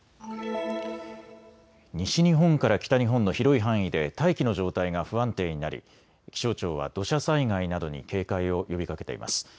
西日本から北日本の広い範囲で大気の状態が不安定になり気象庁は土砂災害などに警戒を呼びかけています。